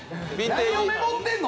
何をメモってんの？